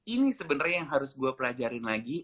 ini sebenarnya yang harus gue pelajarin lagi